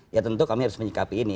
ya tentu kami harus menyikapi ini